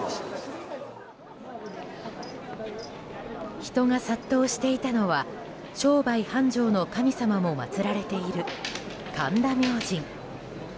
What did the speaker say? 人が殺到していたのは商売繁盛の神様も祭られている神田明神。